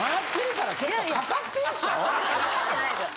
かかってないですよ。